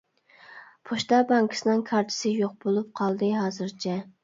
پوچتا بانكىسىنىڭ كارتىسى يوق بولۇپ قالدى ھازىرچە.